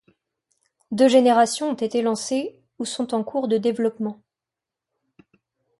Deux générations ont été lancées ou sont en cours de développement.